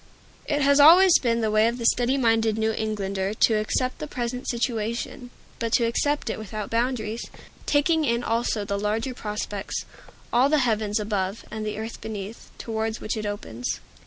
It has always been the way of the steady minded New Englander to accept the present situation but to accept it without boundaries, taking in also the larger prospects all the heavens above and the earth beneath towards which it opens.